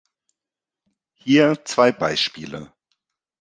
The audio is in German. Hier zwei Beispiele.